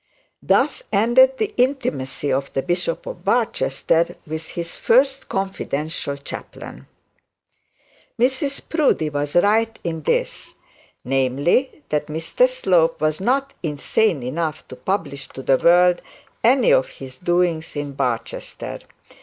Thus ended the intimacy of the Bishop of Barchester with his confidential chaplain. Mrs Proudie was right in this; namely, that Mr Slope was not insane enough to publish to the world any of his doings in Barchester.